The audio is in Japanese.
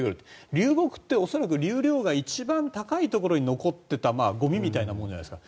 流木って恐らく流量が一番高いところに残っていたゴミみたいなものじゃないですか。